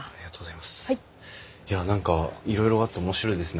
いや何かいろいろあって面白いですね。